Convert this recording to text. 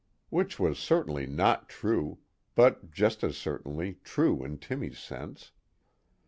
Which was certainly not true, but just as certainly true in Timmy's sense.